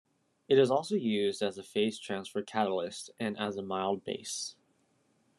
It is also used as a phase transfer catalyst and as a mild base.